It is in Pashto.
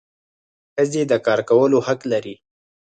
ښځي د کار کولو حق لري.